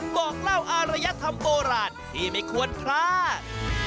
บอกเล่าอารยธรรมโบราณที่ไม่ควรพลาด